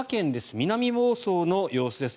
南房総の様子です。